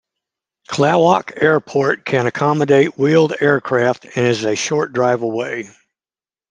Klawock Airport can accommodate wheeled-aircraft and is a short drive away.